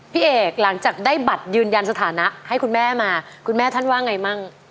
พี่เอกหลังจากได้บัตรยืนยันสถานะให้คุณแม่มาคุณแม่ท่านว่าไงมั่ง